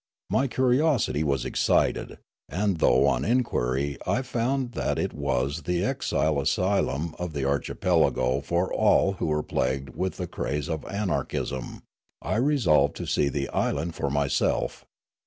My curiosity was excited, and, though on inquiry I found that it was the 374 Riallaro exile asylum of the archipelago for all who were plagued with the craze of anarchism, I resolved to see the island for m3'self.